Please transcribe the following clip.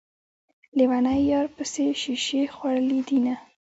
ليونی يار پسې شيشې خوړلي دينه